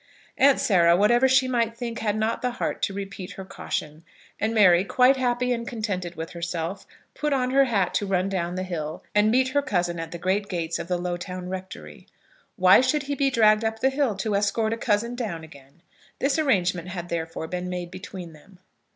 Aunt Sarah, whatever she might think, had not the heart to repeat her caution; and Mary, quite happy and contented with herself, put on her hat to run down the hill and meet her cousin at the great gates of the Lowtown Rectory. Why should he be dragged up the hill, to escort a cousin down again? This arrangement had, therefore, been made between them.